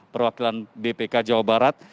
perwakilan bpk jawa barat